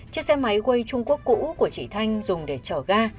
chiếc xe máy way trung quốc cũ của chị thanh dùng để chở ga